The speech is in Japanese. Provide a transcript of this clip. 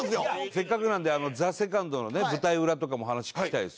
せっかくなのでＴＨＥＳＥＣＯＮＤのね舞台裏とかも話聞きたいですよ。